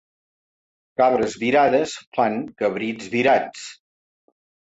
Cabres virades fan cabrits virats.